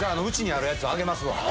うちにあるやつあげます。